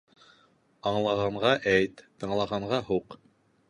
Аңлағанға әйт, тыңлағанға һуҡ.